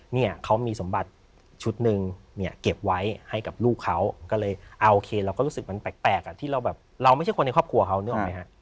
ที่เราแบบเราไม่ใช่คนในครอบครัวเขานึกออกไหมฮะ